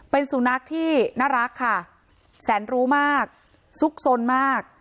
เป็นสุนัขที่น่ารักค่ะแสนรู้มากซุกสนมาก